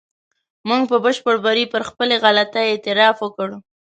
موږ په بشپړ بري پر خپلې غلطۍ اعتراف وکړ.